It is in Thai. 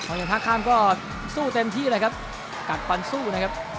พอเห็นท่าข้ามก็สู้เต็มที่เลยครับกัดฟันสู้นะครับ